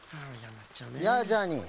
やあジャーニー。